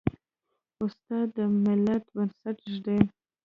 استاد د ملت بنسټ ږدي.